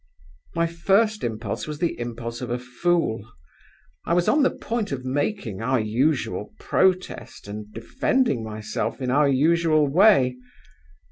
"My first impulse was the impulse of a fool. I was on the point of making our usual protest and defending myself in our usual way.